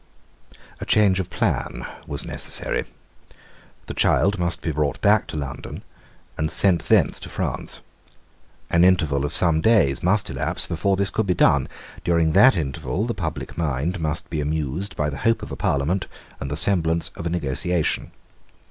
A change of plan was necessary. The child must be brought back to London, and sent thence to France. An interval of some days must elapse before this could be done. During that interval the public mind must be amused by the hope of a Parliament and the semblance of a negotiation.